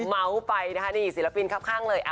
เมาส์ไปนะคะนี่ศิลปินครับข้างเลย